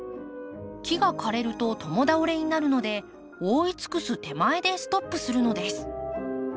木が枯れると共倒れになるので覆い尽くす手前でストップするのです。